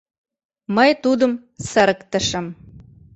Мый тудым сырыктышым.